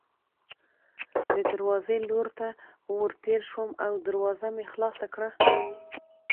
د دروازې لور ته ورتېر شوم او دروازه مې خلاصه کړه.